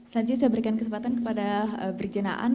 selanjutnya saya berikan kesempatan kepada berjenaan